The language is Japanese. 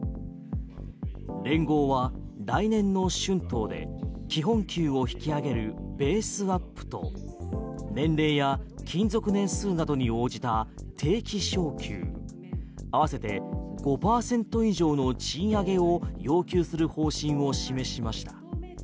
連合は来年の春闘で基本給を引き上げるベースアップと年齢や勤続年数などに応じた定期昇給合わせて５％以上の賃上げを要求する方針を示しました。